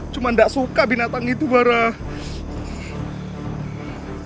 cuma tidak suka binatang itu barah